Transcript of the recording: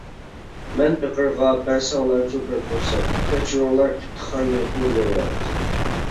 مەن پېقىرغا بەرسەڭلارچۇ بىر پۇرسەت، كەچۈرۈڭلار ئىپتىخارنى بۇ نۆۋەت.